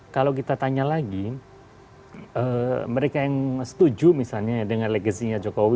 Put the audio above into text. kalau kita tanya lagi mereka yang setuju misalnya dengan legacy nya jokowi